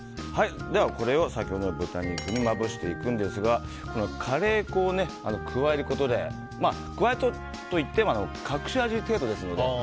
ではこれを先ほどの豚肉にまぶしていくんですがカレー粉を加えることで加えるといっても隠し味程度ですので。